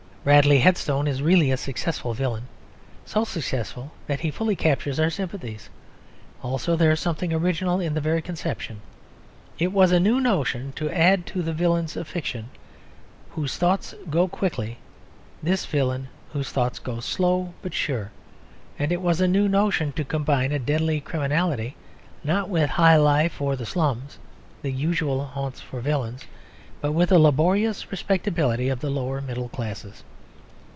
Bradley Headstone is really a successful villain; so successful that he fully captures our sympathies. Also there is something original in the very conception. It was a new notion to add to the villains of fiction, whose thoughts go quickly, this villain whose thoughts go slow but sure; and it was a new notion to combine a deadly criminality not with high life or the slums (the usual haunts for villains) but with the laborious respectability of the lower, middle classes.